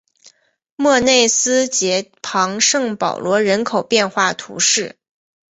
莫内斯捷旁圣保罗人口变化图示